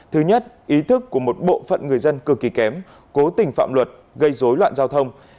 thứ nhất ý thức của một bộ phận người dân cực kỳ kém cố tình phạm luật gây dối loạn giao thông